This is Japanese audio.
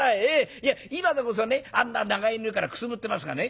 いや今でこそあんな長屋にいるからくすぶってますがね